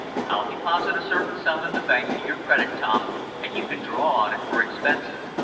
I'll deposit a certain sum in the bank to your credit, Tom, and you can draw on it for expenses.